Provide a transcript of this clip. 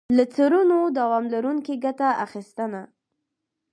له څړونو دوام لرونکي ګټه اخیستنه.